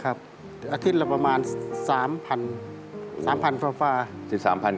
อาทิตย์ละประมาณ๓๐๐๐บาท